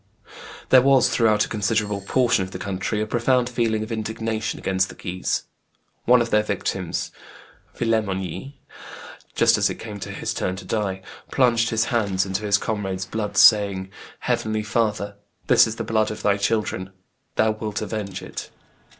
There was, throughout a considerable portion of the country, a profound feeling of indignation against the Guises. One of their victims, Villemongey, just as it came to his turn to die, plunged his hands into his comrades' blood, saying, "Heavenly Father, this is the blood of Thy children: Thou wilt avenge it!"